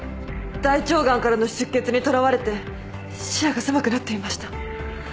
大腸がんからの出血にとらわれて視野が狭くなっていました。